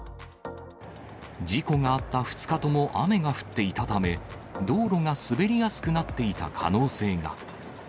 事故があった２日とも雨が降っていたため、道路が滑りやすくなっていた可能性が。